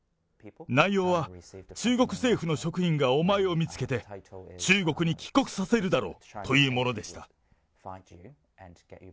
内容は、中国政府の職員がお前を見つけて、中国に帰国させるだろうというものでした。